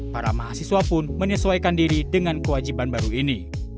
para mahasiswa pun menyesuaikan diri dengan kewajiban baru ini